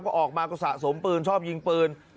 ก็ออกมาก็สะสมปืนชอบยิงปืน